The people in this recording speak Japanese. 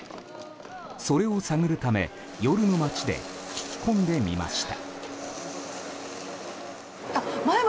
それを探るため夜の街で聞き込んでみました。